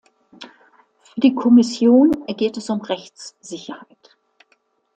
Für die Kommission geht es um Rechtssicherheit.